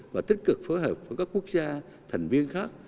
và tích cực phối hợp với các quốc gia thành viên khác